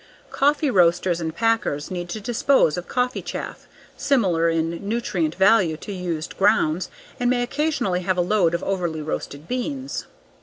Coffee roasters and packers need to dispose of coffee chaff, similar in nutrient value to used grounds and may occasionally have a load of overly roasted beans.